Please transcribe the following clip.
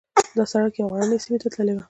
دا سړک یوې غرنۍ سیمې ته تللی و.